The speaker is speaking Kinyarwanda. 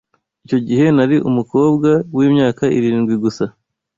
Icyo gihe nari umukobwa wimyaka irindwi gusa.